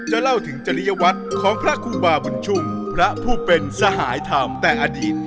เล่าถึงจริยวัตรของพระครูบาบุญชุมพระผู้เป็นสหายธรรมแต่อดีต